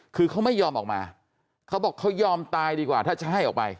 คือเขาไม่ยอมออกมาเขาบอกเขายอมตายดีกว่าถ้าจะให้ออกไป